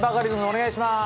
お願いします。